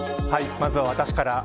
まずは私から。